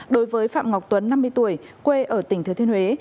đối với phạm ngọc tuấn năm mươi tuổi quê ở tỉnh thứ thiên huế